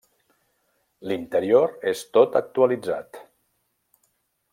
L'interior és tot actualitzat.